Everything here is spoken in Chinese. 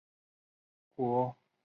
国际调酒师协会